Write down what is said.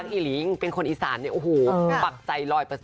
เอ่ยค่ะอีหลิงเป็นคนอีสานโอ้โหปรับใจ๑๐๐เลยค่ะ